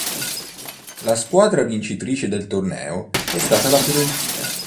La squadra vincitrice del torneo è stata la Fiorentina.